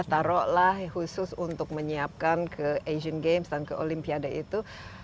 taruhlah khusus untuk menyiapkan ke asian games dan ke olimpiade itu